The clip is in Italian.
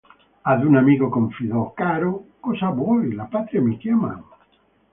Ad un amico confidò: "Caro, cosa vuoi, la Patria mi chiama".